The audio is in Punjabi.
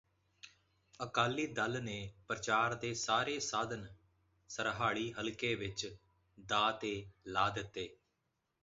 ਅਕਾਲੀ ਦਲ ਨੇ ਪ੍ਰਚਾਰ ਦੇ ਸਾਰੇ ਸਾਧਨ ਸਰਹਾਲੀ ਹਲਕੇ ਵਿਚ ਦਾਅ ਤੇ ਲਾ ਦਿੱਤੇ